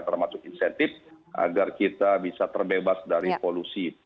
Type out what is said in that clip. termasuk insentif agar kita bisa terbebas dari polusi